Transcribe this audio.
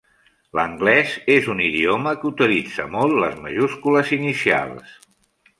L"anglès és un idioma que utilitza molt les majúscules inicials.